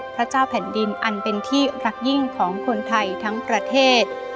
พระเจ้าแผ่นดินอันเป็นที่รักยิ่งของคนไทยทั้งประเทศ